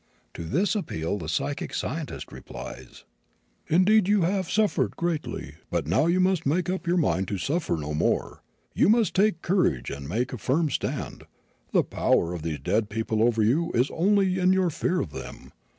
To this appeal the psychic scientist replies: "You have indeed suffered greatly; but now you must make up your mind to suffer no more. You must take courage and make a firm stand. The power of these dead people over you is only in your fear of them.